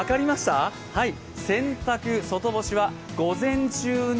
洗濯外干しは午前中に。